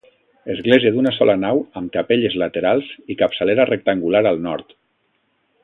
Església d'una sola nau amb capelles laterals i capçalera rectangular al nord.